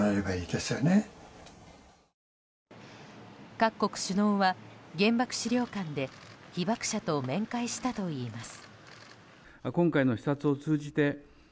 各国首脳は原爆資料館で被爆者と面会したといいます。